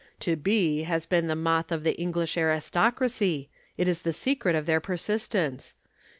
To be has been the moth of the English aristocracy, it is the secret of their persistence.